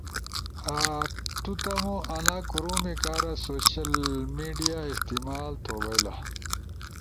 ُو تمو آنا کرومے کارا سوشل میڈیا استعمال تو بئیلا۔